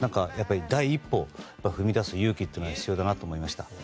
第一歩を踏み出す勇気というのが必要だなと思いました。